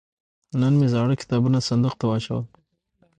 نن مې زاړه کتابونه صندوق ته واچول.